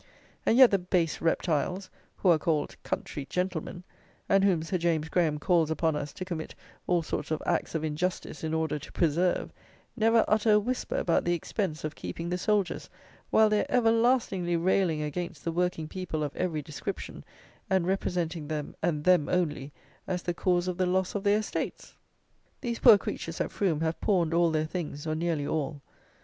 And yet the base reptiles, who are called "country gentlemen," and whom Sir James Graham calls upon us to commit all sorts of acts of injustice in order to preserve, never utter a whisper about the expenses of keeping the soldiers, while they are everlastingly railing against the working people, of every description, and representing them, and them only, as the cause of the loss of their estates! These poor creatures at Frome have pawned all their things, or nearly all.